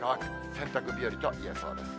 洗濯日和といえそうです。